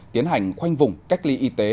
tiến hành khoanh vùng cách ly y tế